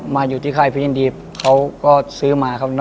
มาอยู่ที่ค่ายพี่ยินดีเขาก็ซื้อมาครับ